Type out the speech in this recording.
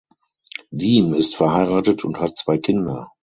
Diehm ist verheiratet und hat zwei Kinder.